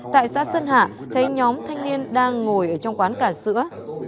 tại xã sơn hà thấy nhóm thanh niên đang ngồi ở trong quán cả sữa